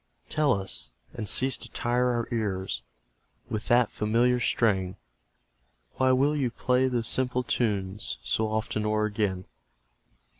Tell us, and cease to tire our ears With that familiar strain; Why will you play those simple tunes So often o'er again?